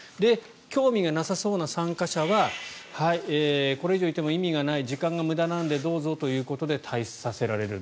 興味がなさそうな参加者はこれ以上いても意味がない時間の無駄なのでどうぞということで退出させられる。